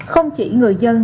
không chỉ người dân